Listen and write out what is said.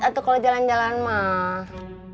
atau kalau jalan jalan mah